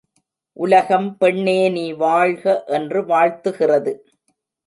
உலகம் பெண்ணே நீ வாழ்க என்று வாழ்த்துகிறது.